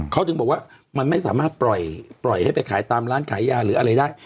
เขาถึงบอกว่ามันไม่สามารถปล่อยให้ไปขายตามร้านขายยาหรืออะไรได้